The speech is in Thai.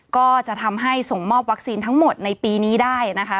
ก็จะทำให้ส่งมอบวัคซีนทั้งหมดในปีนี้ได้นะคะ